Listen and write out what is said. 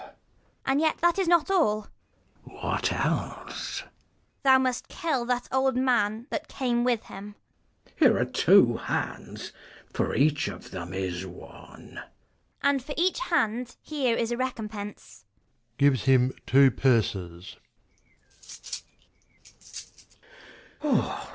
Ragan. And yet that is not all. Mess. What else ? 30 Ragan. Thou must kill that old man that came with him. Mess. Here are two hands, for each of them is one. Ragan. And for each hand here is a recompense. [Gives him two purses. Mess.